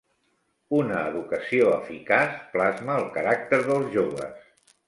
Una educació eficaç plasma el caràcter dels joves.